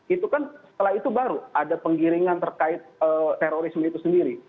itu kan setelah itu baru ada penggiringan terkait terorisme itu sendiri